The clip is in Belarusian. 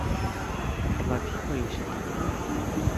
Папіла піва і ўсё такое.